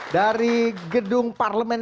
dari gedung parlemen